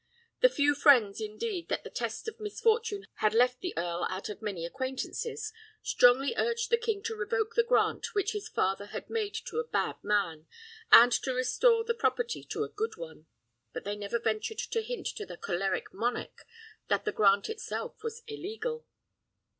The few friends, indeed, that the test of misfortune had left the earl out of many acquaintances, strongly urged the king to revoke the grant which his father had made to a bad man, and to restore the property to a good one; but they never ventured to hint to the choleric monarch that the grant itself was illegal.